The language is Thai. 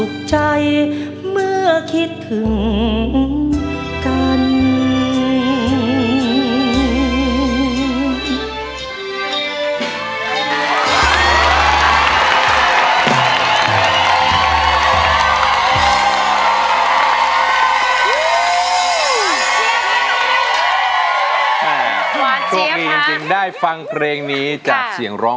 คือร้องได้ให้ร้อง